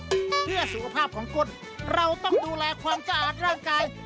เพื่อสุขภาพของคนเราต้องดูแลความสะอาดร่างกาย